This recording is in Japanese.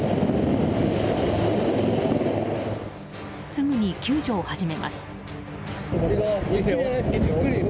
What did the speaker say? すぐに救助を始めます。